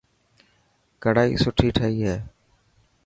ڪڙائي سوٺي ٺهي هي.